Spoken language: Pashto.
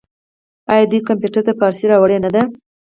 آیا دوی کمپیوټر ته فارسي راوړې نه ده؟